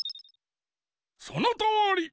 そのとおり！